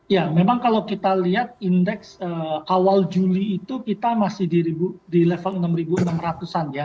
ya memang kalau kita lihat indeks awal juli itu kita masih di level enam enam ratus an ya